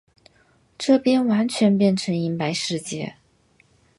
这边完全变成银白世界